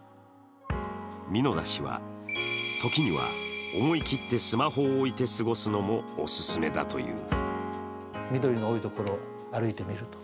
美野田氏は時には思い切ってスマホを置いて過ごすのもお勧めだという。